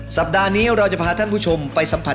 สัปดาห์นี้เราจะพาท่านผู้ชมไปสัมผัส